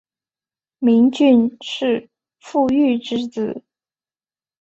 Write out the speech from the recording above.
明俊是傅玉之子。